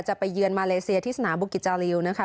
ไปเยือนมาเลเซียที่สนามบุกิจจาริวนะคะ